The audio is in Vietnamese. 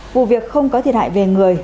vụ việc không có thiệt hại về người